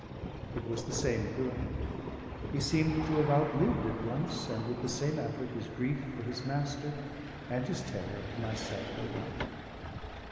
It was the same throughout; he seemed to have outlived at once, and with the same effort, his grief for his master and his terror of myself and Mountain.